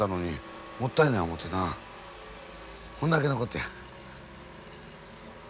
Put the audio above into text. ほんだけのことや。